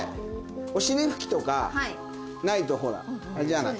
お尻拭きとかないとほらあれじゃない。